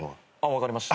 分かりました。